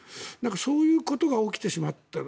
そういうことが起きてしまっている。